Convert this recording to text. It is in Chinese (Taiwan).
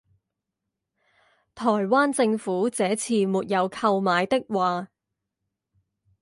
台灣政府這次沒有購買的話